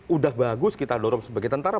udah bagus kita dorong sebagai tentara